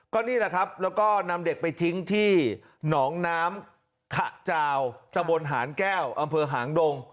ก็นี่แหละครับแล้วก็นำเด็กไปทิ้งที่หนองน้ำขะจาวตะบนหานแก้วอำเภอหางดง